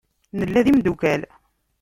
Nella d imdukal.